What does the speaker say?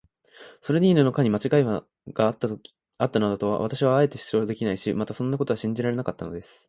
ソルディーニの課にまちがいがあったなどとは、私もあえて主張できないし、またそんなことは信じられなかったのです。